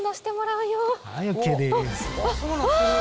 うわ！